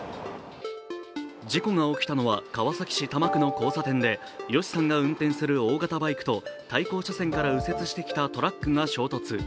事故が起きたのは川崎市多摩区の交差点でＹＯＳＨＩさんが運転する大型バイクと対向車線から右折してきたトラックが衝突。